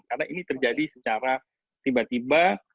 karena ini terjadi secara tiba tiba